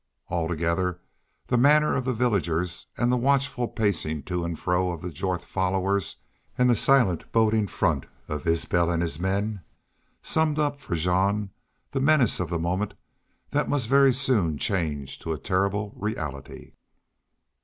Altogether, the manner of the villagers and the watchful pacing to and fro of the Jorth followers and the silent, boding front of Isbel and his men summed up for Jean the menace of the moment that must very soon change to a terrible reality.